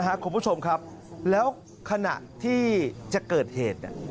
คุณผู้ชมครับแล้วขณะที่จะเกิดเหตุ